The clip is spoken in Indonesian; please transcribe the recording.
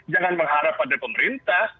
jangan mengharap pada pemerintah